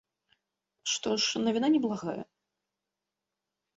Што ж, навіна неблагая.